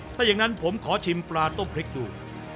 ถ้าอย่างนั้นผมขอชิมปลาต้มพริกดู